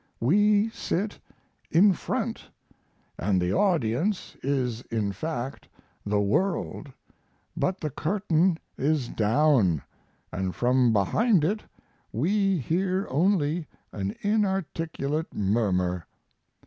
We sit "in front," & the audience is in fact the world; but the curtain is down, & from behind it we hear only an inarticulate murmur.